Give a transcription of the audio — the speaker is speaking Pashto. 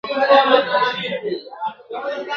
موږ په ګډه سره قوي اقتصاد جوړولای سو.